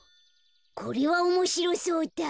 これはおもしろそうだ。